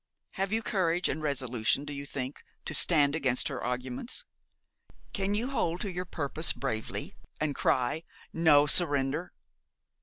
Have you courage and resolution, do you think, to stand against her arguments? Can you hold to your purpose bravely, and cry, no surrender?'